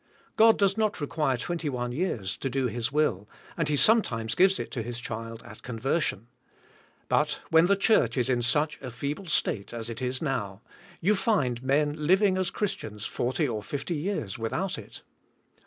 God does not require twenty one years to do His will, and He sometimes gives it to His child at conversion. But when the church is in such a feeble state as it now is, you find men liv ing as Christians forty or fifty years without it.